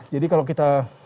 jadi kalau kita